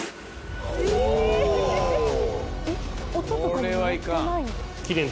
これはいかん。